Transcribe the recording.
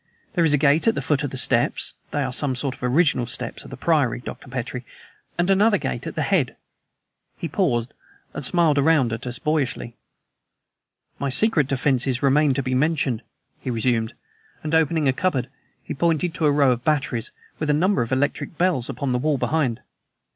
There is a gate at the foot of the steps (they are some of the original steps of the priory, Dr. Petrie), and another gate at the head." He paused, and smiled around upon us boyishly. "My secret defenses remain to be mentioned," he resumed; and, opening a cupboard, he pointed to a row of batteries, with a number of electric bells upon the wall behind.